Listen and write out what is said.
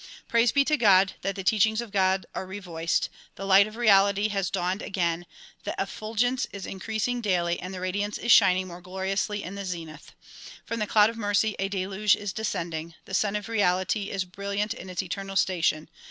Praise be to God! that the teachings of God are revoiced, the ligiit of reality has dawned again, the effulgence is increasing daily and the radiance is shining more gloriously in the zenith. From the cloud of mercy a deluge is descending ; the Sun of Reality is bril liant in its eternal station.